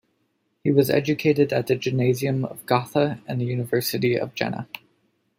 He was educated at the "gymnasium" of Gotha and the University of Jena.